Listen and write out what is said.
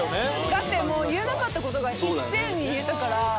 だって言えなかったことが一遍に言えたから。